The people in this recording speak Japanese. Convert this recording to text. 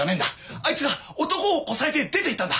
あいつが男をこさえて出て行ったんだ。